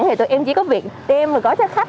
thì tụi em chỉ có việc đem và gói cho khách